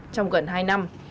trong gần hai năm